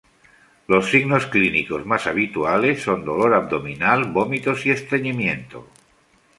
Los signos clínicos más habituales son dolor abdominal, vómitos y estreñimiento.